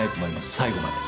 最後まで。